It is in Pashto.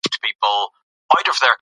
لمر د خوښۍ احساس زیاتولی شي.